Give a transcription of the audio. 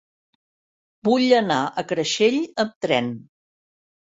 Vull anar a Creixell amb tren.